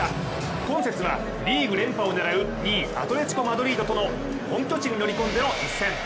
今節はリーグ連覇を狙う２位アトレチコ・マドリードとの本拠地に乗り込んでの一戦。